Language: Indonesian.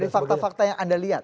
dari fakta fakta yang anda lihat